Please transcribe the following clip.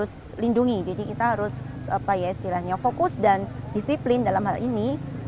untuk memaksimalkan upaya pelestarian air pemerintah daerah pun melakukan pembelian air